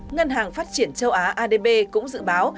ngân hàng phát triển châu á adb cũng dự báo